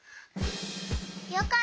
よかった！